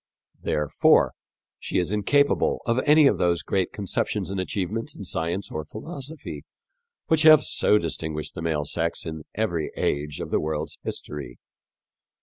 Therefore she is incapable of any of those great conceptions and achievements in science or philosophy which have so distinguished the male sex in every age of the world's history.